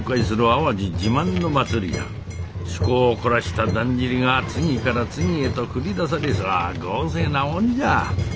趣向を凝らしただんじりが次から次へと繰り出されそりゃ豪勢なもんじゃ。